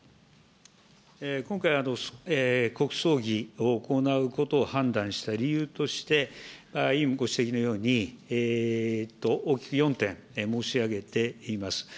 今回、国葬儀を行うことを判断した理由として、委員ご指摘のように、大きく４点申し上げています。